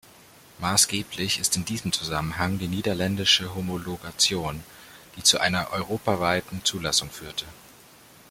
Maßgeblich ist in diesem Zusammenhang die niederländische Homologation, die zu einer europaweiten Zulassung führte.